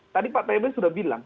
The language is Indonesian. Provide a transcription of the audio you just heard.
tadi pak teben sudah bilang